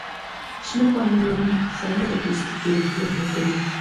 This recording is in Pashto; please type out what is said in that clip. شنې پاڼې لروونکي سابه د پوستکي روغتیا زیاتوي.